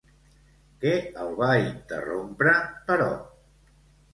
Què el va interrompre, però?